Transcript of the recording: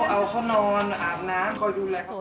เอาเขานอนอาบน้ำคอยดูแลเขา